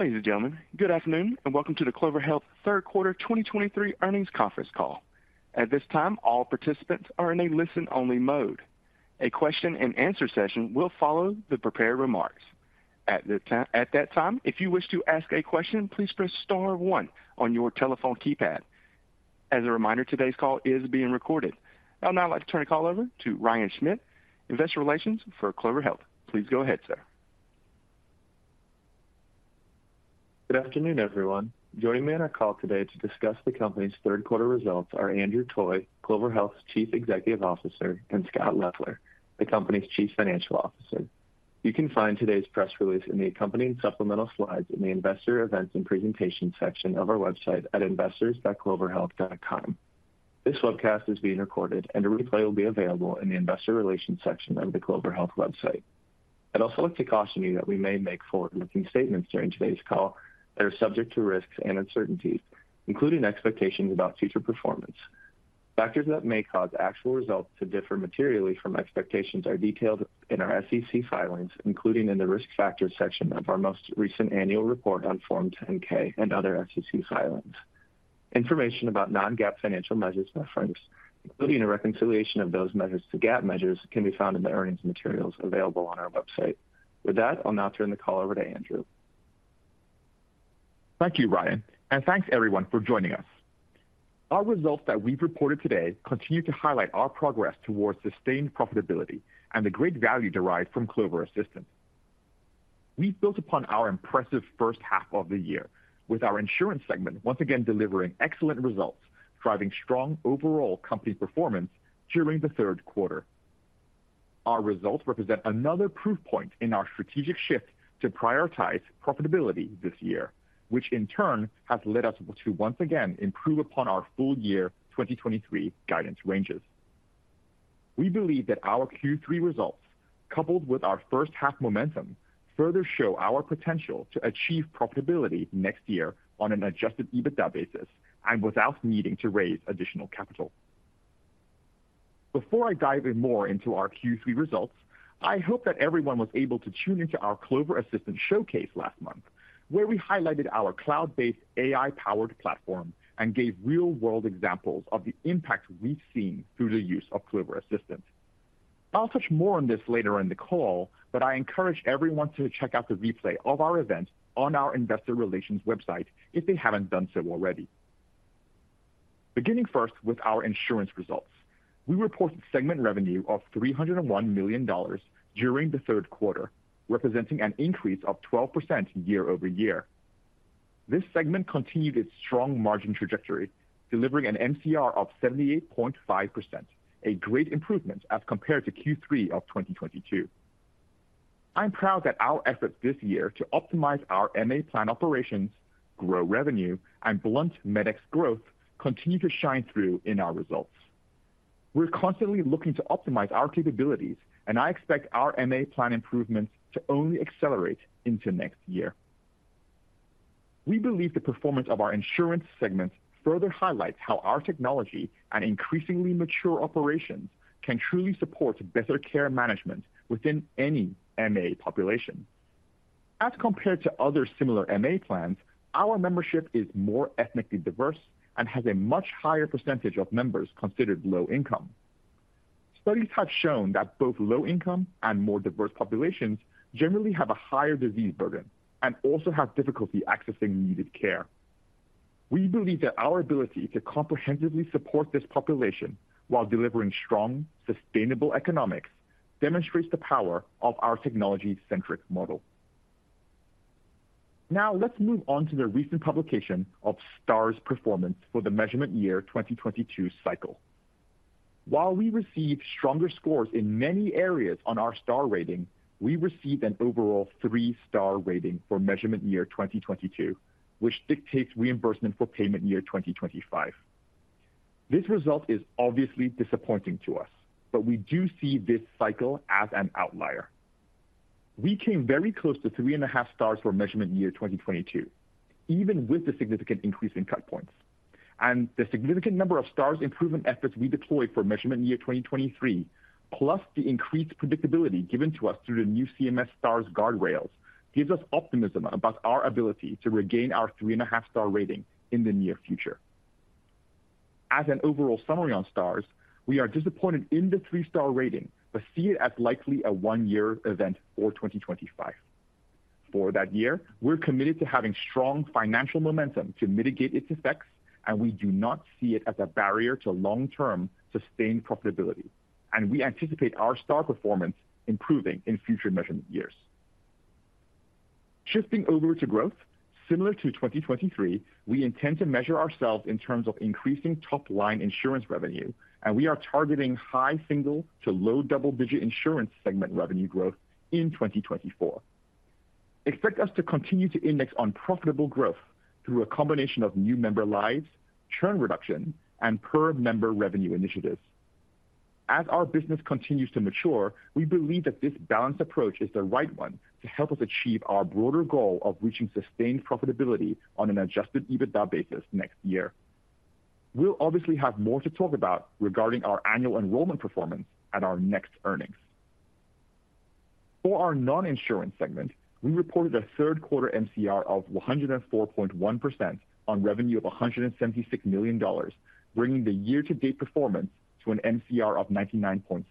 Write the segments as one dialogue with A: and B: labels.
A: Ladies and gentlemen, good afternoon, and welcome to the Clover Health third quarter 2023 earnings conference call. At this time, all participants are in a listen-only mode. A question-and-answer session will follow the prepared remarks. At that time, if you wish to ask a question, please press star 1 on your telephone keypad. As a reminder, today's call is being recorded. I'd now like to turn the call over to Ryan Schmidt, Investor Relations for Clover Health. Please go ahead, sir.
B: Good afternoon, everyone. Joining me on our call today to discuss the company's third quarter results are Andrew Toy, Clover Health's Chief Executive Officer, and Scott Leffler, the company's Chief Financial Officer. You can find today's press release in the accompanying supplemental slides in the Investor Events and Presentation section of our website at investors.cloverhealth.com. This webcast is being recorded, and a replay will be available in the Investor Relations section of the Clover Health website. I'd also like to caution you that we may make forward-looking statements during today's call that are subject to risks and uncertainties, including expectations about future performance. Factors that may cause actual results to differ materially from expectations are detailed in our SEC filings, including in the Risk Factors section of our most recent annual report on Form 10-K and other SEC filings. Information about non-GAAP financial measures referenced, including a reconciliation of those measures to GAAP measures, can be found in the earnings materials available on our website. With that, I'll now turn the call over to Andrew.
C: Thank you, Ryan, and thanks everyone for joining us. Our results that we've reported today continue to highlight our progress towards sustained profitability and the great value derived from Clover Assistant. We've built upon our impressive first half of the year, with our insurance segment once again delivering excellent results, driving strong overall company performance during the third quarter. Our results represent another proof point in our strategic shift to prioritize profitability this year, which in turn has led us to once again improve upon our full year 2023 guidance ranges. We believe that our Q3 results, coupled with our first half momentum, further show our potential to achieve profitability next year on an Adjusted EBITDA basis and without needing to raise additional capital. Before I dive in more into our Q3 results, I hope that everyone was able to tune into our Clover Assistant Showcase last month, where we highlighted our cloud-based AI-powered platform and gave real-world examples of the impact we've seen through the use of Clover Assistant. I'll touch more on this later in the call, but I encourage everyone to check out the replay of our event on our investor relations website if they haven't done so already. Beginning first with our insurance results, we reported segment revenue of $301 million during the third quarter, representing an increase of 12% year-over-year. This segment continued its strong margin trajectory, delivering an MCR of 78.5%, a great improvement as compared to Q3 of 2022. I'm proud that our efforts this year to optimize our MA plan operations, grow revenue, and blunt medical cost growth continue to shine through in our results. We're constantly looking to optimize our capabilities, and I expect our MA plan improvements to only accelerate into next year. We believe the performance of our insurance segments further highlights how our technology and increasingly mature operations can truly support better care management within any MA population. As compared to other similar MA plans, our membership is more ethnically diverse and has a much higher percentage of members considered low income. Studies have shown that both low income and more diverse populations generally have a higher disease burden and also have difficulty accessing needed care. We believe that our ability to comprehensively support this population while delivering strong, sustainable economics, demonstrates the power of our technology-centric model. Now, let's move on to the recent publication of Stars performance for the measurement year 2022 cycle. While we received stronger scores in many areas on our Star rating, we received an overall 3-star rating for measurement year 2022, which dictates reimbursement for payment year 2025. This result is obviously disappointing to us, but we do see this cycle as an outlier. We came very close to 3.5 stars for measurement year 2022, even with the significant increase in cut points. The significant number of Stars improvement efforts we deployed for measurement year 2023, plus the increased predictability given to us through the new CMS Stars guardrails, gives us optimism about our ability to regain our 3.5-star rating in the near future. As an overall summary on Stars, we are disappointed in the 3-star rating, but see it as likely a one-year event for 2025. For that year, we're committed to having strong financial momentum to mitigate its effects, and we do not see it as a barrier to long-term, sustained profitability, and we anticipate our Star performance improving in future measurement years. Shifting over to growth, similar to 2023, we intend to measure ourselves in terms of increasing top-line insurance revenue, and we are targeting high single- to low double-digit insurance segment revenue growth in 2024. Expect us to continue to index on profitable growth through a combination of new member lives, churn reduction, and per member revenue initiatives. As our business continues to mature, we believe that this balanced approach is the right one to help us achieve our broader goal of reaching sustained profitability on an Adjusted EBITDA basis next year. We'll obviously have more to talk about regarding our annual enrollment performance at our next earnings. For our non-insurance segment, we reported a third quarter MCR of 104.1% on revenue of $176 million, bringing the year-to-date performance to an MCR of 99.7%.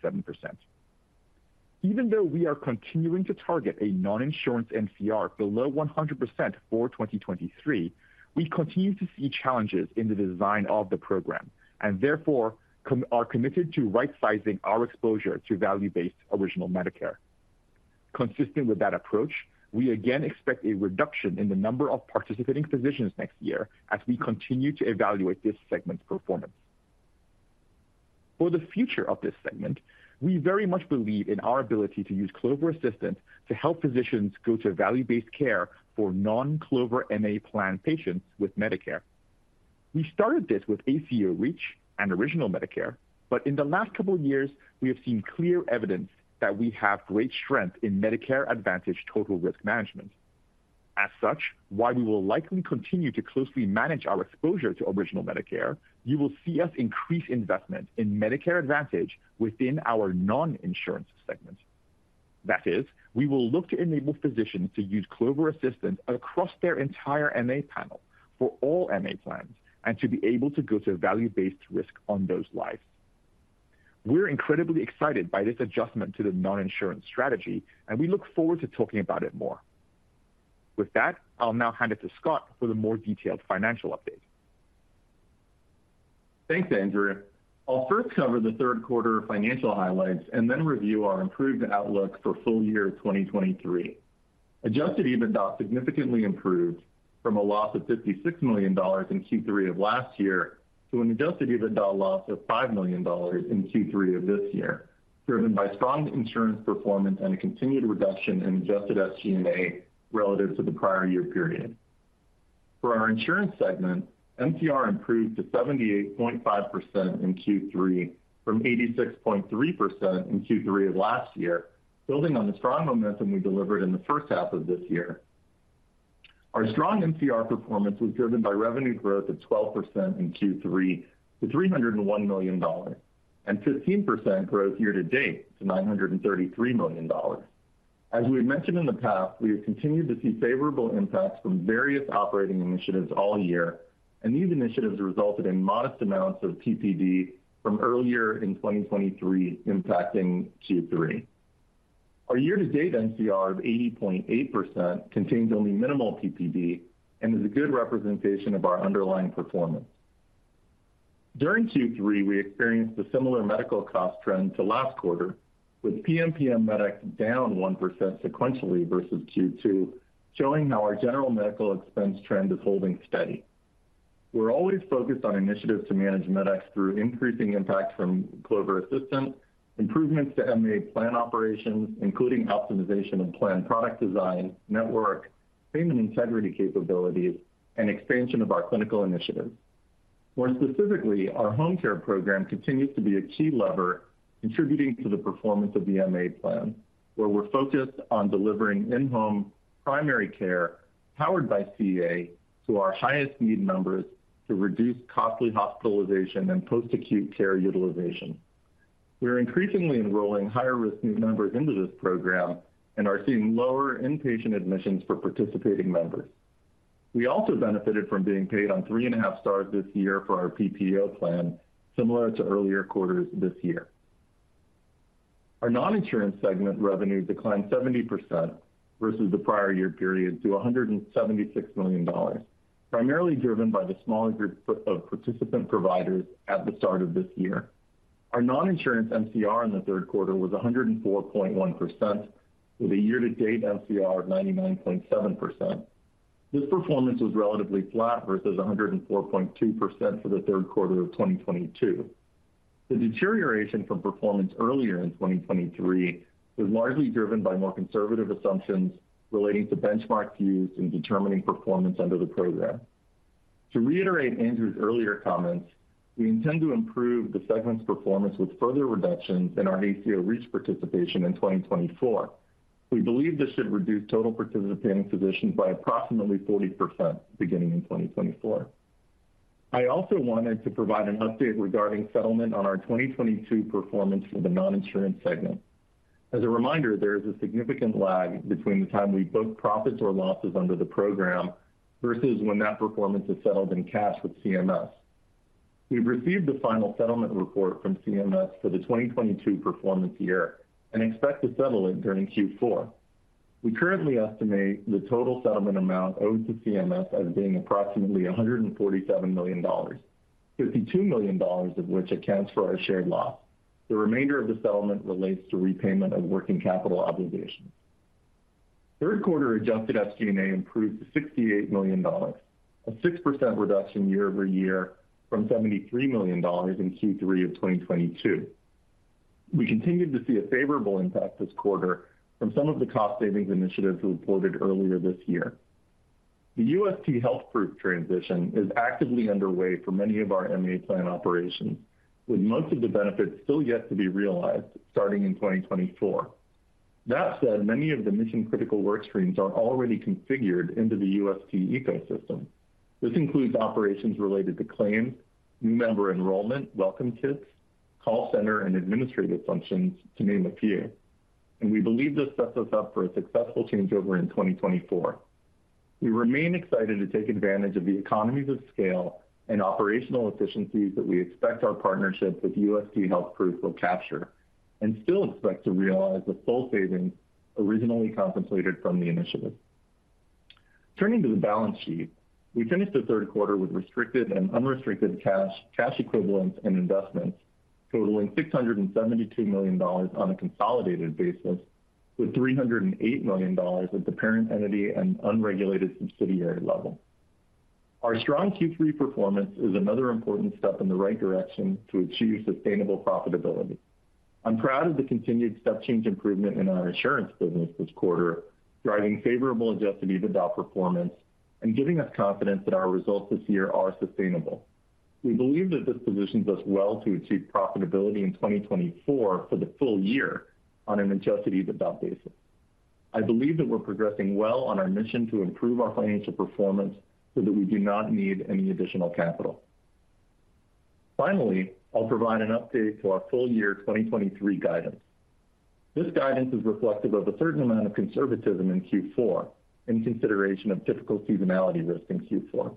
C: Even though we are continuing to target a non-insurance MCR below 100% for 2023, we continue to see challenges in the design of the program, and therefore, are committed to right-sizing our exposure to value-based Original Medicare. Consistent with that approach, we again expect a reduction in the number of participating physicians next year as we continue to evaluate this segment's performance. For the future of this segment, we very much believe in our ability to use Clover Assistant to help physicians go to value-based care for non-Clover MA plan patients with Medicare. We started this with ACO REACH and Original Medicare, but in the last couple of years, we have seen clear evidence that we have great strength in Medicare Advantage total risk management. As such, while we will likely continue to closely manage our exposure to Original Medicare, you will see us increase investment in Medicare Advantage within our non-insurance segment. That is, we will look to enable physicians to use Clover Assistant across their entire MA panel for all MA plans and to be able to go to value-based risk on those lives. We're incredibly excited by this adjustment to the non-insurance strategy, and we look forward to talking about it more. With that, I'll now hand it to Scott for the more detailed financial update.
D: Thanks, Andrew. I'll first cover the third quarter financial highlights and then review our improved outlook for full year 2023. Adjusted EBITDA significantly improved from a loss of $56 million in Q3 of last year to an adjusted EBITDA loss of $5 million in Q3 of this year, driven by strong insurance performance and a continued reduction in Adjusted SG&A relative to the prior year period. For our insurance segment, MCR improved to 78.5% in Q3 from 86.3% in Q3 of last year, building on the strong momentum we delivered in the first half of this year. Our strong MCR performance was driven by revenue growth of 12% in Q3 to $301 million, and 15% growth year to date to $933 million. As we've mentioned in the past, we have continued to see favorable impacts from various operating initiatives all year, and these initiatives resulted in modest amounts of PPD from earlier in 2023 impacting Q3. Our year-to-date MCR of 80.8% contains only minimal PPD and is a good representation of our underlying performance. During Q3, we experienced a similar medical cost trend to last quarter, with PMPM med cost down 1% sequentially versus Q2, showing how our general medical expense trend is holding steady. We're always focused on initiatives to manage med costs through increasing impacts from Clover Assistant, improvements to MA plan operations, including optimization of plan product design, network, payment integrity capabilities, and expansion of our clinical initiatives. More specifically, our home care program continues to be a key lever contributing to the performance of the MA plan, where we're focused on delivering in-home primary care, powered by CA, to our highest need members to reduce costly hospitalization and post-acute care utilization. We are increasingly enrolling higher-risk new members into this program and are seeing lower in-patient admissions for participating members. We also benefited from being paid on 3.5 stars this year for our PPO plan, similar to earlier quarters this year. Our non-insurance segment revenue declined 70% versus the prior year period to $176 million, primarily driven by the smaller group of participant providers at the start of this year. Our non-insurance MCR in the third quarter was 104.1%, with a year-to-date MCR of 99.7%. This performance was relatively flat versus 104.2% for the third quarter of 2022. The deterioration from performance earlier in 2023 was largely driven by more conservative assumptions relating to benchmark views in determining performance under the program. To reiterate Andrew's earlier comments, we intend to improve the segment's performance with further reductions in our ACO REACH participation in 2024. We believe this should reduce total participating physicians by approximately 40% beginning in 2024. I also wanted to provide an update regarding settlement on our 2022 performance for the non-insurance segment. As a reminder, there is a significant lag between the time we book profits or losses under the program versus when that performance is settled in cash with CMS. We've received the final settlement report from CMS for the 2022 performance year and expect to settle it during Q4. We currently estimate the total settlement amount owed to CMS as being approximately $147 million, $52 million of which accounts for our shared loss. The remainder of the settlement relates to repayment of working capital obligations. Third quarter adjusted SG&A improved to $68 million, a 6% reduction year-over-year from $73 million in Q3 of 2022. We continued to see a favorable impact this quarter from some of the cost savings initiatives we reported earlier this year. The UST HealthProof transition is actively underway for many of our MA plan operations, with most of the benefits still yet to be realized starting in 2024. That said, many of the mission-critical work streams are already configured into the UST HealthProof ecosystem... This includes operations related to claims, new member enrollment, welcome kits, call center, and administrative functions, to name a few. We believe this sets us up for a successful changeover in 2024. We remain excited to take advantage of the economies of scale and operational efficiencies that we expect our partnership with UST HealthProof will capture, and still expect to realize the full savings originally contemplated from the initiative. Turning to the balance sheet, we finished the third quarter with restricted and unrestricted cash, cash equivalents, and investments totaling $672 million on a consolidated basis, with $308 million at the parent entity and unregulated subsidiary level. Our strong Q3 performance is another important step in the right direction to achieve sustainable profitability. I'm proud of the continued step change improvement in our insurance business this quarter, driving favorable Adjusted EBITDA performance and giving us confidence that our results this year are sustainable. We believe that this positions us well to achieve profitability in 2024 for the full year on an Adjusted EBITDA basis. I believe that we're progressing well on our mission to improve our financial performance so that we do not need any additional capital. Finally, I'll provide an update to our full year 2023 guidance. This guidance is reflective of a certain amount of conservatism in Q4, in consideration of difficult seasonality risk in Q4.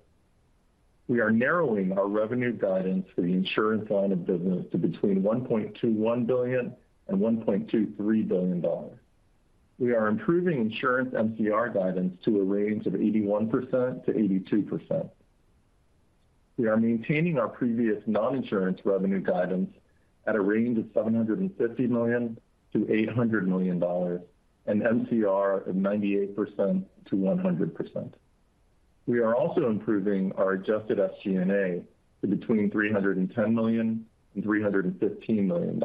D: We are narrowing our revenue guidance for the insurance line of business to between $1.21 billion and $1.23 billion. We are improving insurance MCR guidance to a range of 81%-82%. We are maintaining our previous non-insurance revenue guidance at a range of $750 million-$800 million, and MCR of 98%-100%. We are also improving our adjusted SG&A to between $310 million and $315 million.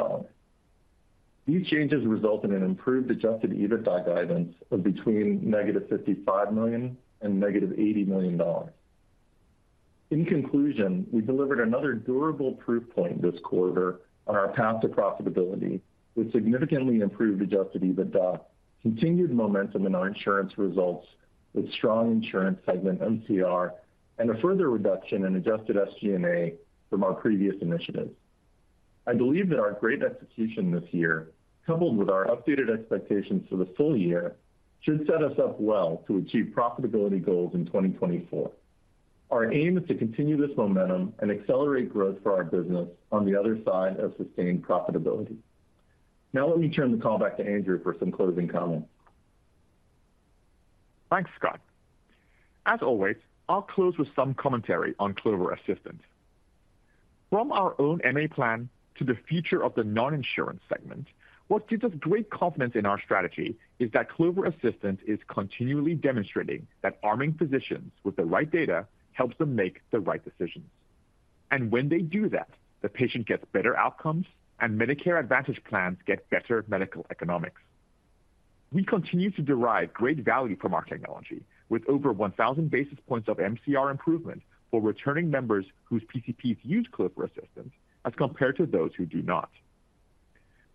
D: These changes result in an improved adjusted EBITDA guidance of between -$55 million and -$80 million. In conclusion, we delivered another durable proof point this quarter on our path to profitability, with significantly improved adjusted EBITDA, continued momentum in our insurance results, with strong insurance segment MCR, and a further reduction in adjusted SG&A from our previous initiatives. I believe that our great execution this year, coupled with our updated expectations for the full year, should set us up well to achieve profitability goals in 2024. Our aim is to continue this momentum and accelerate growth for our business on the other side of sustained profitability. Now, let me turn the call back to Andrew for some closing comments.
C: Thanks, Scott. As always, I'll close with some commentary on Clover Assistant. From our own MA plan to the future of the non-insurance segment, what gives us great confidence in our strategy is that Clover Assistant is continually demonstrating that arming physicians with the right data helps them make the right decisions. And when they do that, the patient gets better outcomes, and Medicare Advantage plans get better medical economics. We continue to derive great value from our technology, with over 1,000 basis points of MCR improvement for returning members whose PCPs use Clover Assistant as compared to those who do not.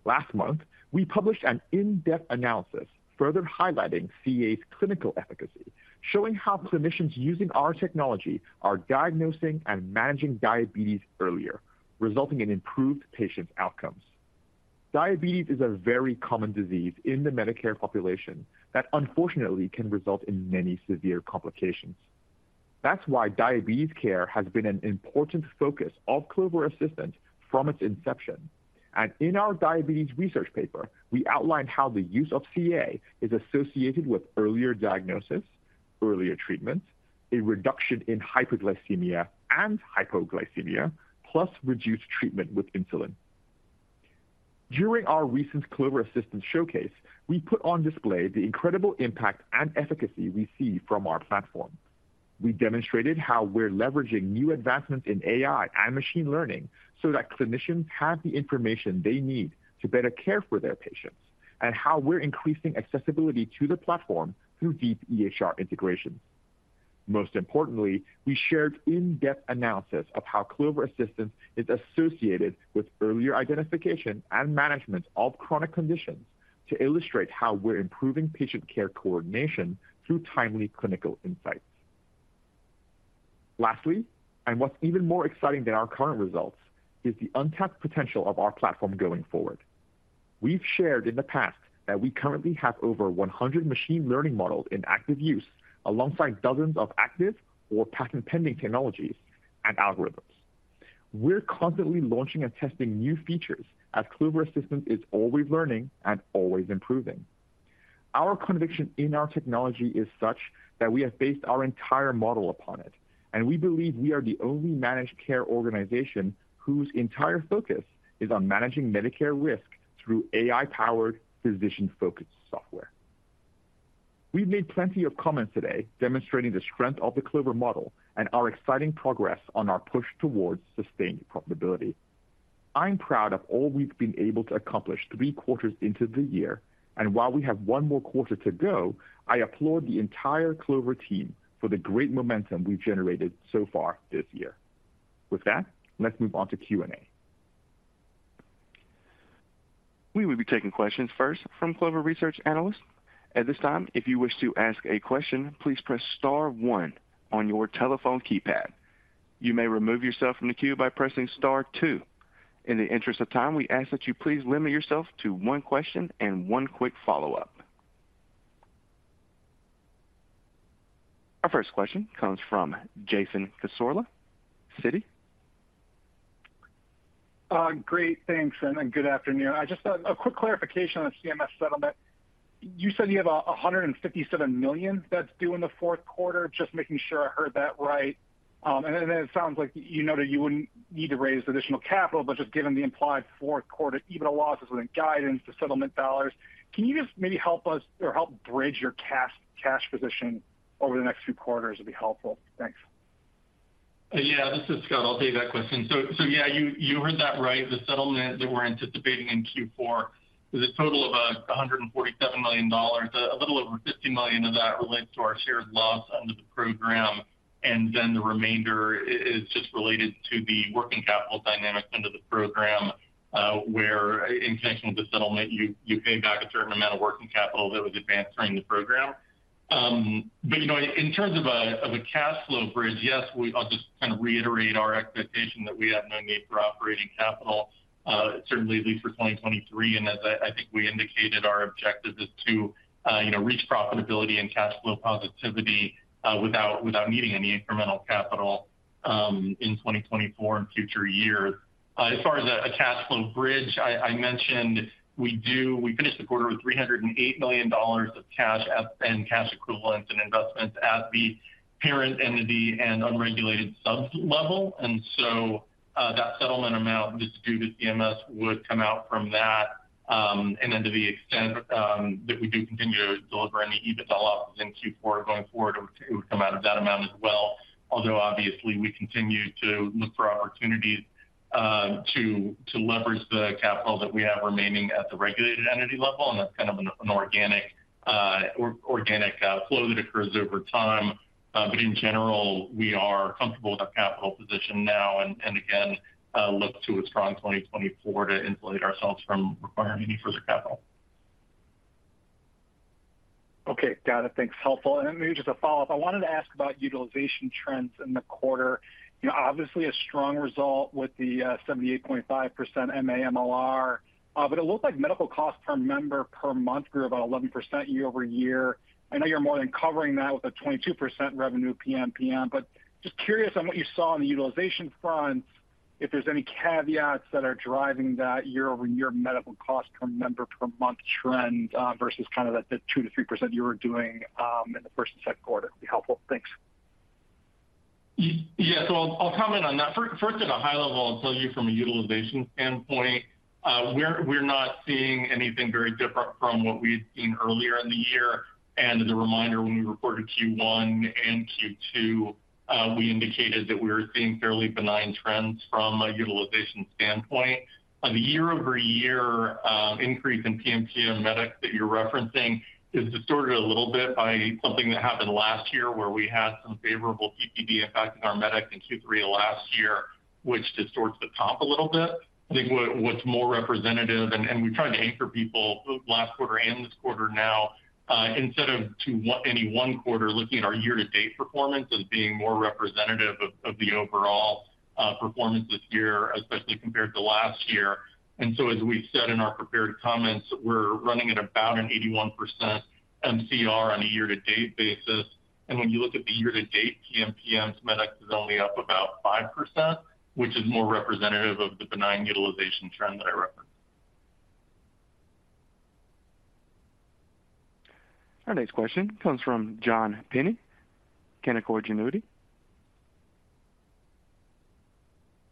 C: Last month, we published an in-depth analysis further highlighting CA's clinical efficacy, showing how clinicians using our technology are diagnosing and managing diabetes earlier, resulting in improved patient outcomes. Diabetes is a very common disease in the Medicare population that unfortunately can result in many severe complications. That's why diabetes care has been an important focus of Clover Assistant from its inception, and in our diabetes research paper, we outlined how the use of CA is associated with earlier diagnosis, earlier treatment, a reduction in hyperglycemia and hypoglycemia, plus reduced treatment with insulin. During our recent Clover Assistant showcase, we put on display the incredible impact and efficacy we see from our platform. We demonstrated how we're leveraging new advancements in AI and machine learning so that clinicians have the information they need to better care for their patients, and how we're increasing accessibility to the platform through deep EHR integration. Most importantly, we shared in-depth analysis of how Clover Assistant is associated with earlier identification and management of chronic conditions to illustrate how we're improving patient care coordination through timely clinical insights. Lastly, and what's even more exciting than our current results, is the untapped potential of our platform going forward. We've shared in the past that we currently have over 100 machine learning models in active use, alongside dozens of active or patent-pending technologies and algorithms. We're constantly launching and testing new features as Clover Assistant is always learning and always improving. Our conviction in our technology is such that we have based our entire model upon it, and we believe we are the only managed care organization whose entire focus is on managing Medicare risk through AI-powered, physician-focused software. We've made plenty of comments today demonstrating the strength of the Clover model and our exciting progress on our push towards sustained profitability. I'm proud of all we've been able to accomplish three quarters into the year, and while we have one more quarter to go, I applaud the entire Clover team for the great momentum we've generated so far this year. With that, let's move on to Q&A.
A: We will be taking questions first from Clover research analysts. At this time, if you wish to ask a question, please press star one on your telephone keypad. You may remove yourself from the queue by pressing star two. In the interest of time, we ask that you please limit yourself to one question and one quick follow-up. Our first question comes from Jason Cassorla, Citi.
E: Great, thanks, and good afternoon. I just a quick clarification on the CMS settlement. You said you have $157 million that's due in the fourth quarter? Just making sure I heard that right. And then it sounds like you noted you wouldn't need to raise additional capital, but just given the implied fourth quarter EBITDA losses within guidance, the settlement dollars, can you just maybe help us or help bridge your cash, cash position over the next few quarters would be helpful. Thanks.
F: Yeah, this is Scott. I'll take that question. So yeah, you heard that right. The settlement that we're anticipating in Q4 is a total of $147 million. A little over $50 million of that relates to our shared loss under the program, and then the remainder is just related to the working capital dynamics under the program, where in connection with the settlement, you pay back a certain amount of working capital that was advanced during the program. You know, in terms of a cash flow bridge, yes, we. I'll just kind of reiterate our expectation that we have no need for operating capital, certainly at least for 2023. As I think we indicated, our objective is to, you know, reach profitability and cash flow positivity, without needing any incremental capital, in 2024 and future years. As far as a cash flow bridge, I mentioned we finished the quarter with $308 million of cash and cash equivalents and investments at the parent entity and unregulated sub-level, and so, that settlement amount distributed CMS would come out from that, and then to the extent that we do continue to deliver any EBITDA losses in Q4 going forward, it would come out of that amount as well. Although obviously, we continue to look for opportunities to leverage the capital that we have remaining at the regulated entity level, and that's kind of an organic flow that occurs over time. In general, we are comfortable with our capital position now, and again, look to a strong 2024 to insulate ourselves from requiring any further capital.
E: Okay. Got it. Thanks. Helpful. And maybe just a follow-up. I wanted to ask about utilization trends in the quarter. You know, obviously a strong result with the 78.5% MA MLR, but it looked like medical costs per member per month grew about 11% year-over-year. I know you're more than covering that with a 22% revenue PMPM, but just curious on what you saw on the utilization front, if there's any caveats that are driving that year-over-year medical cost per member per month trend versus kind of the 2%-3% you were doing in the first and second quarter. It'd be helpful. Thanks.
F: Yeah. I'll comment on that. First, at a high level, I'll tell you from a utilization standpoint, we're not seeing anything very different from what we've seen earlier in the year. And as a reminder, when we reported Q1 and Q2, we indicated that we were seeing fairly benign trends from a utilization standpoint. On the year-over-year increase in PMPM med costs that you're referencing is distorted a little bit by something that happened last year, where we had some favorable PPD effects in our med costs in Q3 last year, which distorts the comp a little bit. I think what's more representative, and we've tried to anchor people last quarter and this quarter now, instead of to any one quarter, looking at our year-to-date performance as being more representative of the overall performance this year, especially compared to last year, and so as we've said in our prepared comments, we're running at about an 81% MCR on a year-to-date basis. And when you look at the year-to-date PMPM, Medicare is only up about 5%, which is more representative of the benign utilization trend that I referenced.
A: Our next question comes from John Pinney, Canaccord Genuity.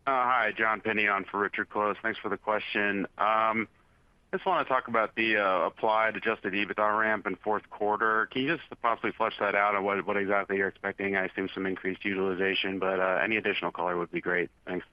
G: Hi, John Pinney on for Richard Close. Thanks for the question. I just want to talk about the applied Adjusted EBITDA ramp in fourth quarter. Can you just possibly flesh that out on what, what exactly you're expecting? I assume some increased utilization, but any additional color would be great. Thanks.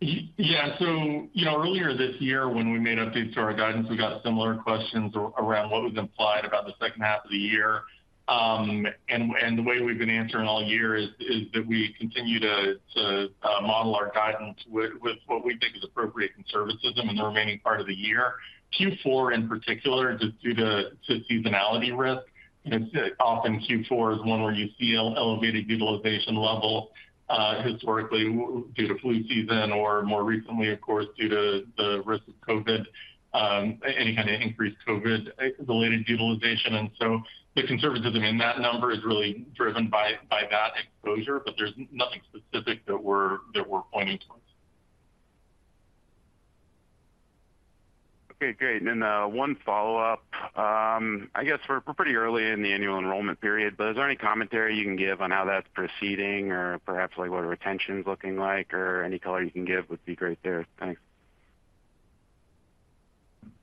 F: Yeah. You know, earlier this year when we made updates to our guidance, we got similar questions around what was implied about the second half of the year. And the way we've been answering all year is that we continue to model our guidance with what we think is appropriate conservatism in the remaining part of the year. Q4, in particular, just due to seasonality risk, you know, often Q4 is one where you see elevated utilization levels, historically due to flu season, or more recently, of course, due to the risk of COVID, any kind of increased COVID-related utilization. And so the conservatism in that number is really driven by that exposure, but there's nothing specific that we're pointing to.
G: Okay, great. One follow-up. I guess we're pretty early in the annual enrollment period, but is there any commentary you can give on how that's proceeding or perhaps, like, what retention is looking like, or any color you can give would be great there. Thanks.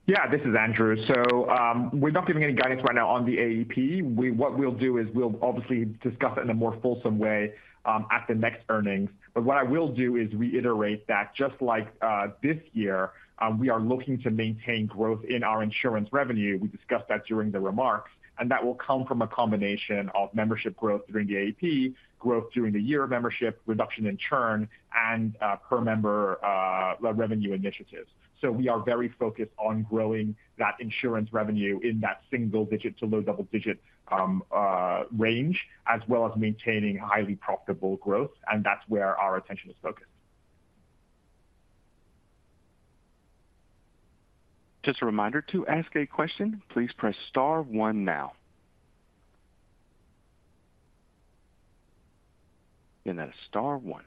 C: Yeah, this is Andrew. So, we're not giving any guidance right now on the AEP. We'll obviously discuss it in a more fulsome way at the next earnings. But what I will do is reiterate that just like this year, we are looking to maintain growth in our insurance revenue. We discussed that during the remarks, and that will come from a combination of membership growth during the AEP, growth during the year, membership reduction in churn, and per member revenue initiatives. We are very focused on growing that insurance revenue in that single digit to low double digit range, as well as maintaining highly profitable growth, and that's where our attention is focused.
A: Just a reminder, to ask a question, please press star one now. Again, that is star one.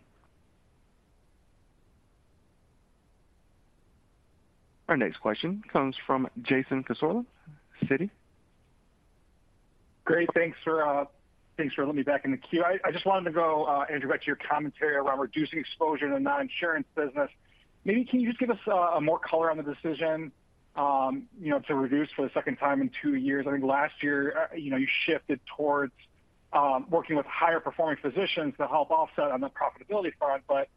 A: Our next question comes from Jason Cassorla, Citi.
E: Great, thanks for thanks for letting me back in the queue. I just wanted to go, Andrew, back to your commentary around reducing exposure to the non-insurance business. Maybe can you just give us more color on the decision, you know, to reduce for the second time in two years? I think last year, you know, you shifted towards working with higher performing physicians to help offset on the profitability front, but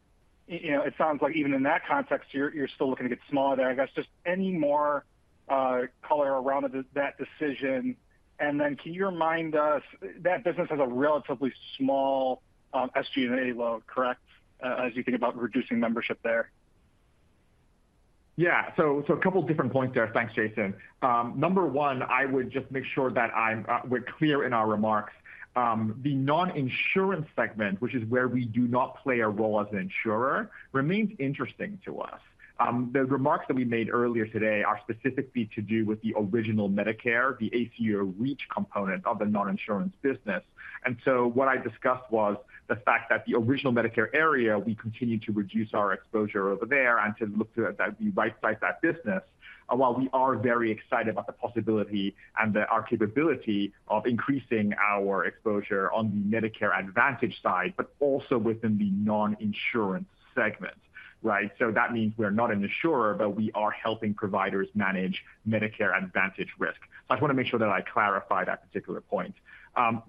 E: you know, it sounds like even in that context, you're still looking to get smaller there. I guess, just any more color around that decision. Then can you remind us, that business has a relatively small SG&A load, correct? As you think about reducing membership there.
C: Yeah. A couple different points there. Thanks, Jason. Number one, I would just make sure that I'm, we're clear in our remarks. The non-insurance segment, which is where we do not play a role as an insurer, remains interesting to us. The remarks that we made earlier today are specifically to do with the Original Medicare, the ACO REACH component of the non-insurance business. What I discussed was the fact that the Original Medicare area, we continue to reduce our exposure over there and to look to that we right-size that business, while we are very excited about the possibility and the, our capability of increasing our exposure on the Medicare Advantage side, but also within the non-insurance segment, right? So that means we're not an insurer, but we are helping providers manage Medicare Advantage risk. I just want to make sure that I clarify that particular point.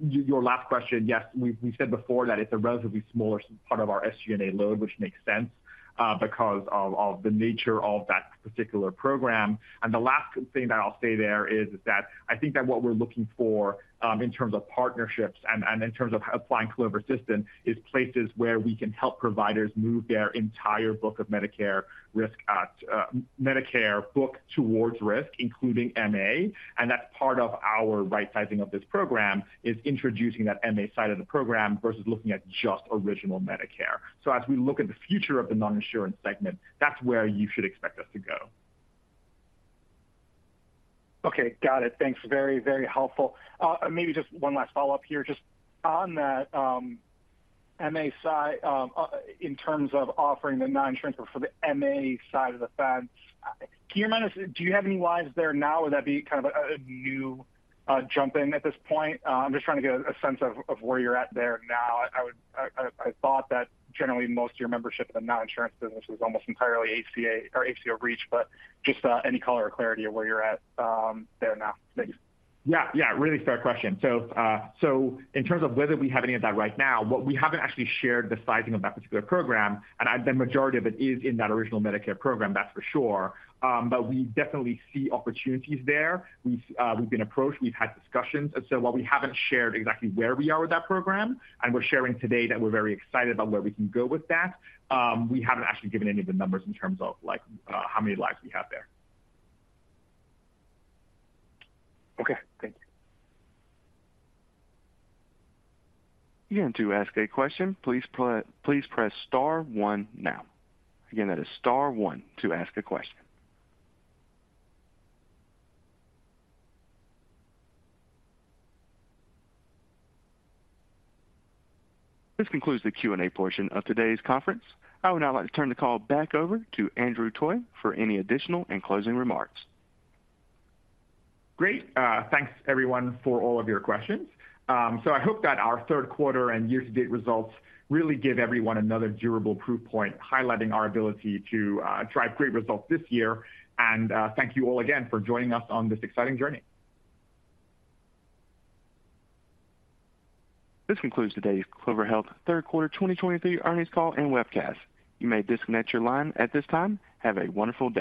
C: Your last question, yes, we, we said before that it's a relatively smaller part of our SG&A load, which makes sense, because of, of the nature of that particular program. The last thing that I'll say there is that I think that what we're looking for, in terms of partnerships and, and in terms of applying Clover Assistant, is places where we can help providers move their entire book of Medicare risk at, Medicare book towards risk, including MA. That's part of our right sizing of this program, is introducing that MA side of the program versus looking at just Original Medicare. So as we look at the future of the non-insurance segment, that's where you should expect us to go.
E: Okay, got it. Thanks, very, very helpful. Maybe just one last follow-up here. Just on that MA side, in terms of offering the non-insurance for the MA side of the fence, can you remind us, do you have any lives there now, or would that be kind of a new jump in at this point? I'm just trying to get a sense of where you're at there now. I thought that generally most of your membership in the non-insurance business was almost entirely ACO or ACO Reach, but just any color or clarity of where you're at there now. Thanks.
C: Yeah, yeah, really fair question. In terms of whether we have any of that right now, what we haven't actually shared the sizing of that particular program, and the majority of it is in that Original Medicare program, that's for sure, but we definitely see opportunities there. We've, we've been approached, we've had discussions. While we haven't shared exactly where we are with that program, and we're sharing today that we're very excited about where we can go with that, we haven't actually given any of the numbers in terms of like, how many lives we have there.
E: Okay, thank you.
A: Again, to ask a question, please press, please press star one now. Again, that is star one to ask a question. This concludes the Q&A portion of today's conference. I would now like to turn the call back over to Andrew Toy for any additional and closing remarks.
C: Great. Thanks everyone for all of your questions. I hope that our third quarter and year-to-date results really give everyone another durable proof point, highlighting our ability to drive great results this year. Thank you all again for joining us on this exciting journey.
A: This concludes today's Clover Health third quarter 2023 earnings call and webcast. You may disconnect your line at this time. Have a wonderful day.